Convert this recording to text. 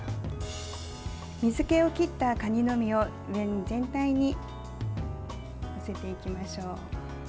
水けを切った、かにの身を上に全体に載せていきましょう。